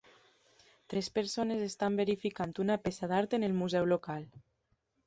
Tres persones estan verificant una peça d'art en el museu local.